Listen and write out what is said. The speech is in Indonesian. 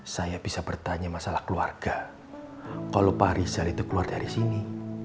saya bisa bertanya masalah keluarga kalau pak rizal itu keluar dari sini